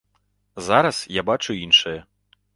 Зараз я бачу іншае.